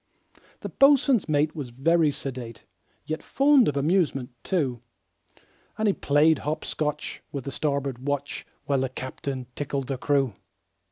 The boatswain's mate was very sedate, Yet fond of amusement, too; And he played hop scotch with the starboard watch, While the captain tickled the crew.